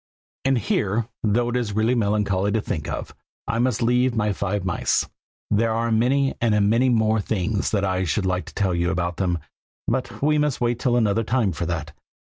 And here, though it is really melancholy to think of, I must leave my five mice. There are many and many more things that I should like to tell you about them, but we must wait till another time for all that.